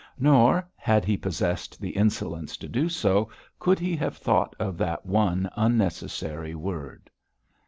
Nor, had he possessed the insolence to do so, could he have thought of that one necessary word.